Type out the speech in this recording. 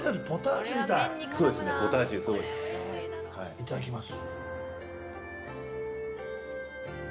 いただきます。